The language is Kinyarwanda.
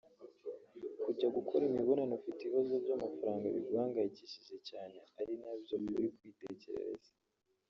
Kujya gukora imibonano ufite ibibazo by’amafaranga biguhangayikishije cyane ( ari byo uru kwitekerereza)